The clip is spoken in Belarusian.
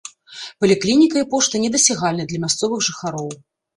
Паліклініка і пошта недасягальны для мясцовых жыхароў.